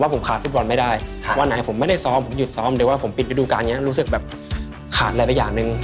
โปรดติดตามตอนต่อไป